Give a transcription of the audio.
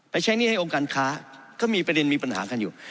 ใช้หนี้ให้องค์การค้าก็มีประเด็นมีปัญหากันอยู่